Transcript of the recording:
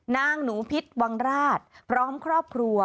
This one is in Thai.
นางหนูพิษวังราชพร้อมครอบครัว